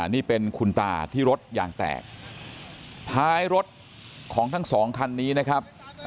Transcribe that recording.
นี่เป็นคุณตาที่รถยางแตกท้ายรถของทั้งสองคันนี้นะครับ